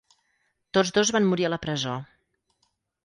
Tots dos van morir a la presó.